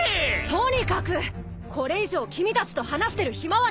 とにかくこれ以上君たちと話してる暇はない！